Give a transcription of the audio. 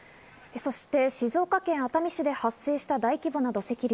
そして静岡県熱海市で発生した大規模な土石流。